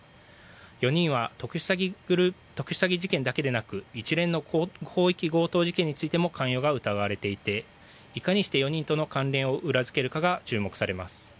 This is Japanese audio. ４人は特殊詐欺事件だけでなく一連の広域強盗事件についても関与が疑われていていかにして４人との関連を裏付けるかが注目されます。